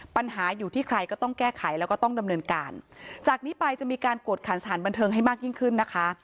ปัญหาอยู่ที่ใครก็ต้องแก้ไขแล้วก็ต้องดำเนินการจากนี้ไปจะมีการกวดขันสถานบันเทิงให้มากยิ่งขึ้นนะคะ